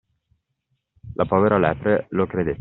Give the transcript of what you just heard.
La povera lepre lo credette.